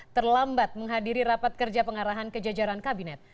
terlambat menghadiri rapat kerja pengarahan kejajaran kabinet